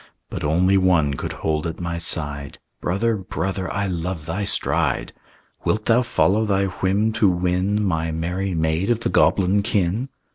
But only one could hold at my side: "Brother, brother, I love thy stride. "Wilt thou follow thy whim to win My merry maid of the goblin kin?"